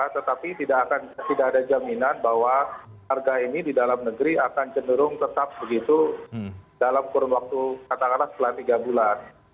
tetapi tidak ada jaminan bahwa harga ini di dalam negeri akan cenderung tetap begitu dalam kurun waktu katakanlah setelah tiga bulan